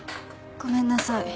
ごめんなさい。